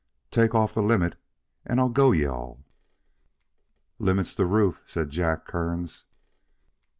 "Take off the limit and I'll go you all." "Limit's the roof," said Jack Kearns.